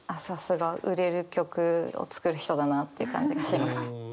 さすが売れる曲を作る人だなっていう感じがします。